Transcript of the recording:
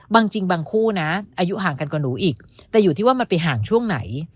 จริงบางคู่นะอายุห่างกันกว่าหนูอีกแต่อยู่ที่ว่ามันไปห่างช่วงไหน